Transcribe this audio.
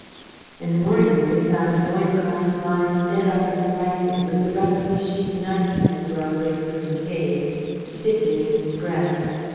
In the morning we found Moynglass lying dead in his blanket, with the rusty sheath knife he had brought away from the cave sticking in his breast.